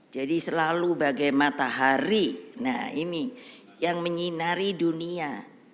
jadi selalu bagai matahari nah ini yang menyinari dunia